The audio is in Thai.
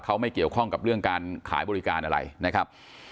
เขาไม่เกี่ยวข้องกับเรื่องการขายบริการอะไรนะครับ